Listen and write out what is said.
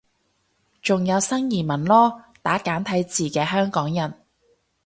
仲有新移民囉，打簡體字嘅香港人